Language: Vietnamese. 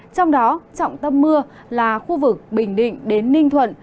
trong đó trọng tâm mưa là khu vực bình định đến ninh thuận